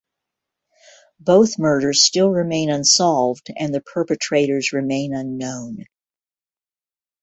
Both murders still remain unsolved and the perpetrators remain unknown.